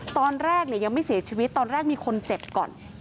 ตอนแรกยังไม่เสียชีวิตตอนแรกมีคนเจ็บก่อน